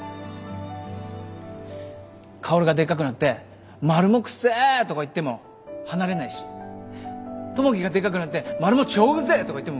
薫がでっかくなって「マルモ臭え」とか言っても離れないし友樹がでっかくなって「マルモ超うぜえ」とか言っても無駄だ。